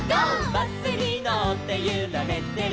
「バスにのってゆられてる」